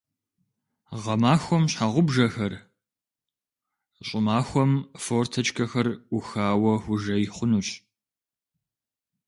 Гъэмахуэм щхьэгъубжэхэр, щӀымахуэм форточкэхэр Ӏухауэ ужей хъунущ.